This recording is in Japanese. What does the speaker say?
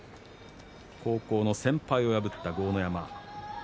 高校の先輩を破った豪ノ山。